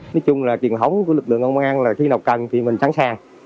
nói chung là truyền thống của lực lượng công an là khi nào cần thì mình sẵn sàng